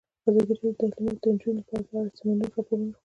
ازادي راډیو د تعلیمات د نجونو لپاره په اړه د سیمینارونو راپورونه ورکړي.